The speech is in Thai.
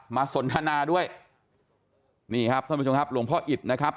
สนทนาด้วยนี่ครับท่านผู้ชมครับหลวงพ่ออิตนะครับ